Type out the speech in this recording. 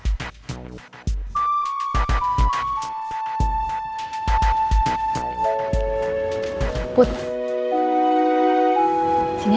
sampai jumpa di video selanjutnya